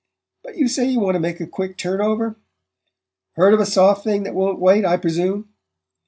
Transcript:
But you say you want to make a quick turn over? Heard of a soft thing that won't wait, I presume?